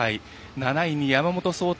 ７位に山本草太。